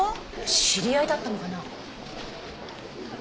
知り合いだったのかな？